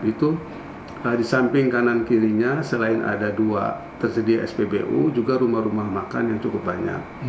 itu di samping kanan kirinya selain ada dua tersedia spbu juga rumah rumah makan yang cukup banyak